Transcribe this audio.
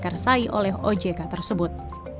dan diperakarsai oleh ojk tersebut